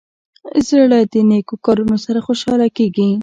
زړه د نیکو کارونو سره خوشحاله کېږي.